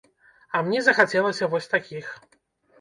А мне захацелася вось такіх.